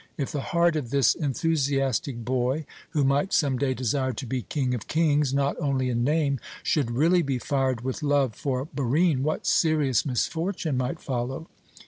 If the heart of this enthusiastic boy who might some day desire to be 'King of kings' not only in name should really be fired with love for Barine, what serious misfortune might follow!